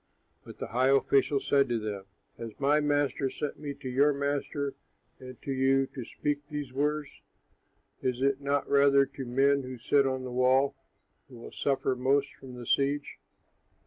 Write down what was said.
But the high official said to them, "Has my master sent me to your master and to you to speak these words? Is it not rather to the men who sit on the wall, who will suffer most from the siege?"